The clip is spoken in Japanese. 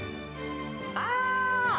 あー！